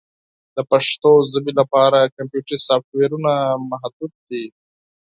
د پښتو ژبې لپاره کمپیوټري سافټویرونه محدود دي.